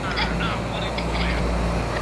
په کوټه کي یې وهلې خرچیلکي